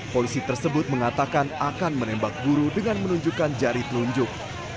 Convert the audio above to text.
polisi tersebut mengatakan akan menembak guru dengan menunjukkan jari telunjuk